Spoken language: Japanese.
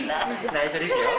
内緒ですよ